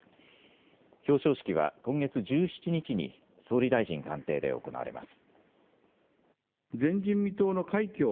表彰式は今月１７日に総理大臣官邸で行われます。